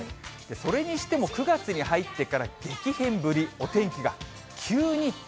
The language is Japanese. それにしても９月に入ってから激変ぶり、お天気が。